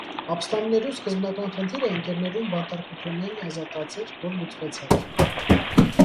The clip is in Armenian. Ապստամբներու սկզբնական խնդիրը ընկերներուն բանտարկութենէն ազատած էր, որ լուծուեցաւ։